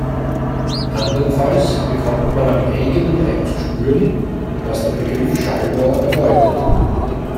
Andernfalls bekommt man am eigenen Leib zu spüren, was der Begriff Schallmauer bedeutet.